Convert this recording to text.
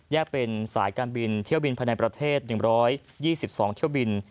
เป็นสายการบินเที่ยวบินภายในประเทศ๑๒๒เที่ยวบิน